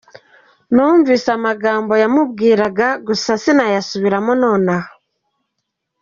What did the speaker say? Numvise amagambo yamubwiye gusa sinayasubiramo nonaha.